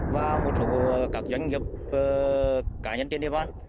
và một số các doanh nghiệp cá nhân trên địa bàn